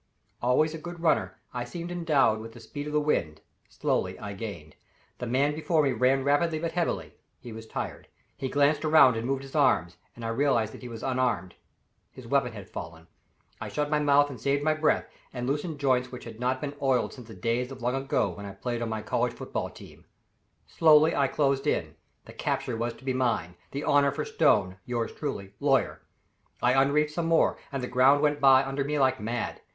Always a good runner, I seemed endowed with the speed of the wind; slowly I gained. The man before me ran rapidly but heavily; he was tired. He glanced around and moved his arms, and I realized that he was unarmed. His weapon had fallen. I shut my mouth and saved my breath, and loosened joints which had not been oiled since the days of long ago, when I played on my college foot ball team. Slowly I closed in the capture was to be mine the honor for Stone, yours truly lawyer. I unreefed some more, and the ground went by under me like mad.